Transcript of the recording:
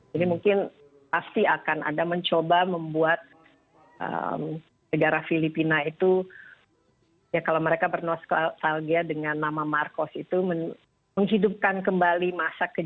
jadi mungkin pasti akan ada mencoba membuat negara filipina itu ya kalau mereka bernuas salgia dengan nama marcos itu menghidupkan kembali masa kejayaan